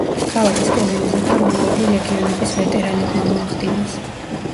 ქალაქის კოლონიზება რომაული ლეგიონების ვეტერანებმა მოახდინეს.